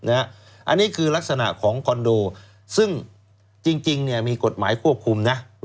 อันนี้คือลักษณะของคอนโดซึ่งจริงมีกฎหมายควบคุมนะ